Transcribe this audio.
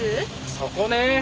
そこね。